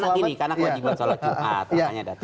karena ini karena aku lagi buat sholat jumat